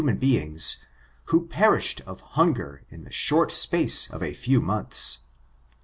369 hnman beings, who perished of hunger in the short space of a few months.